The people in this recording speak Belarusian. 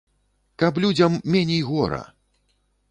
Каб людзям меней гора!